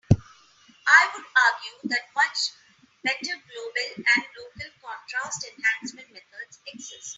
I would argue that much better global and local contrast enhancement methods exist.